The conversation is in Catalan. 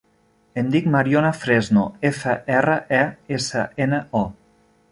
Em dic Mariona Fresno: efa, erra, e, essa, ena, o.